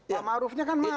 pak ma'rufnya kan mau